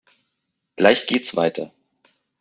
Gleich geht's weiter!